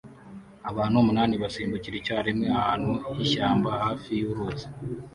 Abantu umunani basimbukira icyarimwe ahantu h'ishyamba hafi yuruzi